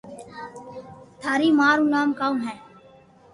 : ٿاري مان رو نوم ڪاؤ ھي